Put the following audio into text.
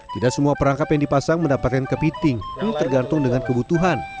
tidak semua perangkap yang dipasang mendapatkan kepiting tergantung dengan kebutuhan